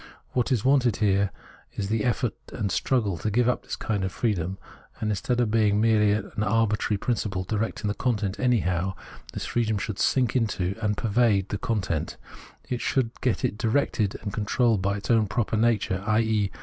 What is wanted here is the effort and struggle to give up this kind of freedom, and instead of being a merely arbitrary principle directing the content anyhow, this freedom should sink into and pervade the content, should get it directed and controlled by its own proper nature, i.e.